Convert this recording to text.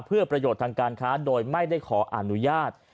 เพื่อประโยชน์ทางการค้าโดยไม่ได้ขออนุญาต